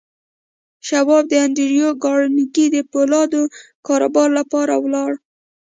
شواب د انډریو کارنګي د پولادو د کاروبار لپاره ولاړ